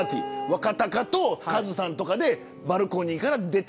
若貴とカズさんとかでバルコニーから出て。